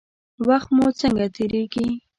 وخت مو څنګه تیریږي؟